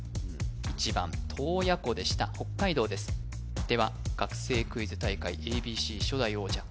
１番洞爺湖でした北海道ですでは学生クイズ大会「ａｂｃ」初代王者